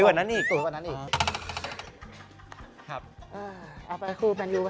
โอเคเร็วโพรีแมนยู